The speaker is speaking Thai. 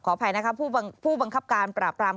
อภัยนะคะผู้บังคับการปราบราม